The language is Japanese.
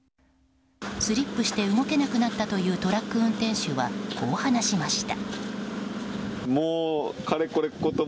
スリップして動けなくなったというトラック運転手はこう話しました。